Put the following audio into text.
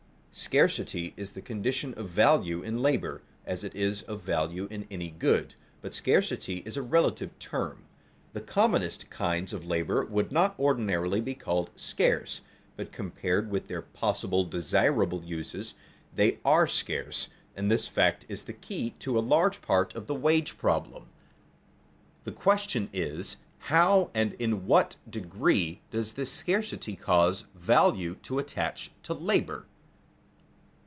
Scarcity is the condition of value in labor, as it is of value in any good; but scarcity is a relative term. The commonest kinds of labor would not ordinarily be called scarce, but compared with their possible desirable uses, they are scarce, and this fact is the key to a large part of the wage problem. The question is: how and in what degree does this scarcity cause value to attach to labor?